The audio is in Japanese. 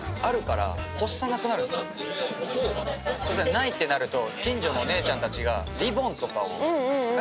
ないってなると。